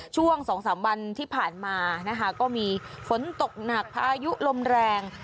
ช่วง๒๓วันที่ผ่านมานะคะก็มีฝนตกหนักพายุลมแรง